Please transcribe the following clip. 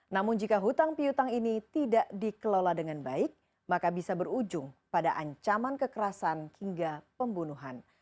namun jika hutang pihutang ini tidak dikelola dengan baik maka bisa berujung pada ancaman kekerasan hingga pembunuhan